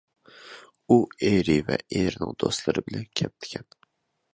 ئۇ ئېرى ۋە ئېرىنىڭ دوستلىرى بىلەن كەپتىكەن.